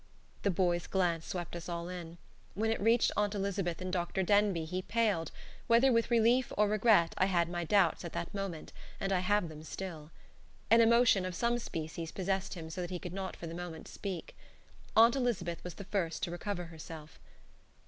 The boy's glance swept us all in. When it reached Aunt Elizabeth and Dr. Denbigh he paled, whether with relief or regret I had my doubts at that moment, and I have them still. An emotion of some species possessed him so that he could not for the moment speak. Aunt Elizabeth was the first to recover herself.